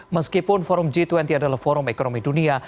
meskipun forum g dua puluh adalah forum ekonomi dunia